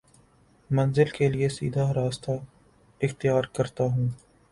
منزل کے لیے سیدھا راستہ اختیار کرتا ہوں